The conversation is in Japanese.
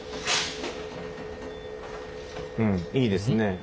うんいいですね。